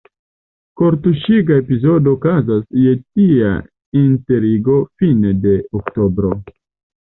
Kortuŝiga epizodo okazis je tia enterigo fine de Oktobro.